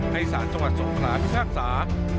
ให้สารจังหวัดสุขภาพิภาคศาสตร์